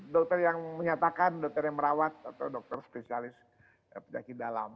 dokter yang menyatakan dokter yang merawat atau dokter spesialis penyakit dalam